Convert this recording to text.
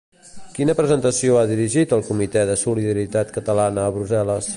Quina presentació ha dirigit el Comitè de Solidaritat Catalana a Brussel·les?